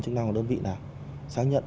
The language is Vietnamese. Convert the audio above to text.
chức năng của đơn vị nào xác nhận